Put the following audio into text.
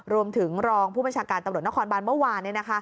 รองผู้บัญชาการตำรวจนครบานเมื่อวาน